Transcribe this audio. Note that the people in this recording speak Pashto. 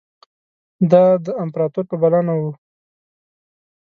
دا د امپراطور په بلنه وو.